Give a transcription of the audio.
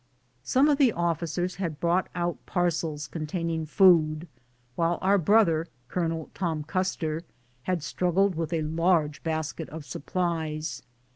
Some of the officers liad brought out parcels contain ing food, while our brother, Colonel Tom Custer, had struggled with a large basket of supplies.